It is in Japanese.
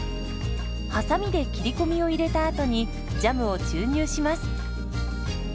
はさみで切り込みを入れたあとにジャムを注入します。